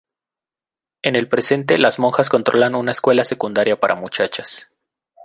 En el presente las monjas controlan una escuela secundaria para muchachas.